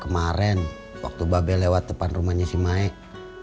kemaren waktu mbak be lewat depan rumahnya si maek